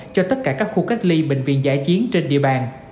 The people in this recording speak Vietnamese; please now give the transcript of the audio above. cho tất cả các khu cách ly bệnh viện giải chiến trên địa bàn